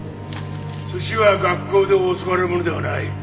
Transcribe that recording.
寿司は学校で教わるものではない。